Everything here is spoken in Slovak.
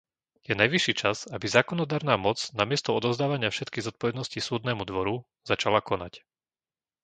Je najvyšší čas, aby zákonodarná moc namiesto odovzdávania všetkej zodpovednosti Súdnemu dvoru začala konať.